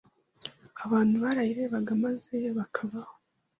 abantu barayirebaga maze bakabaho